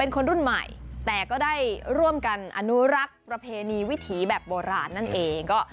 คนรุ่นใหม่แต่ก็ได้ร่วมกันอนุรักษ์ประเพณีวิถีแบบโบราณนั่นเอง